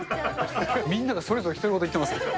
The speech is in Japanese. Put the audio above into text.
みんながそれぞれ独り言言ってますよ。